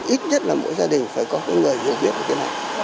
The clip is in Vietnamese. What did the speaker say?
ít nhất là mỗi gia đình phải có người hiểu biết về cái này